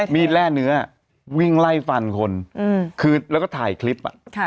มีดแร่เนื้อวิ่งไล่ฟันคนอืมคือแล้วก็ถ่ายคลิปอ่ะค่ะ